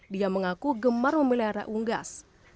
dia mengaku gemar memelihara unggas